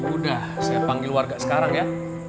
udah saya panggil warga sekarang ya